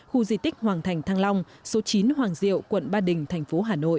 khu di tích hoàng thành thăng long số chín hoàng diệu quận ba đình thành phố hà nội